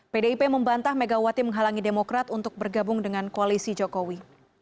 pdip membantah megawati menghalangi demokrat untuk bergabung dengan koalisi jokowi